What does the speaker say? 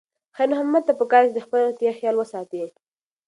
خیر محمد ته پکار ده چې د خپلې روغتیا خیال وساتي.